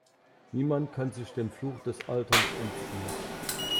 Niemand kann sich dem Fluch des Alterns entziehen.